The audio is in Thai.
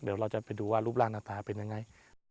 เดี๋ยวเราจะไปดูว่ารูปร่างหน้าตาเป็นยังไง